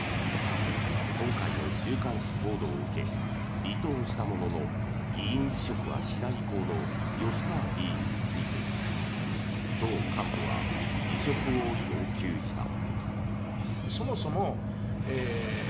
今回の週刊誌報道を受け離党したものの議員辞職はしない意向の吉川議員について党幹部は辞職を要求した。